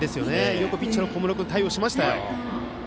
よくピッチャーの小室君対応しましたよ。